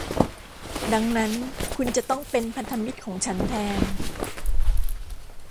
ดังนั้นคุณจะต้องเป็นพันธมิตรของฉันแทน